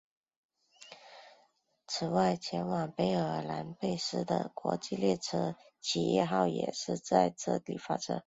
此外前往北爱尔兰贝尔法斯特的国际列车企业号也是自这里发车。